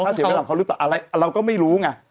แล้วเกี่ยวกับเค้ารึเปล่าเราก็ไม่รู้ไง